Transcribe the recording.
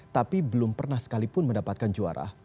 tapi belum pernah sekalipun mendapatkan juara